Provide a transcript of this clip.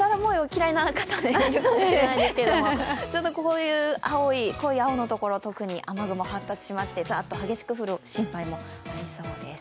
きれいな方、いるかもしれないですけどこういう濃い青のところ、雨雲が発達してざっと激しく降る心配もありそうです。